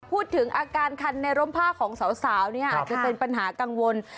พูดถึงอาการคันในรมภาคของสาวจะเป็นปัญหากังวล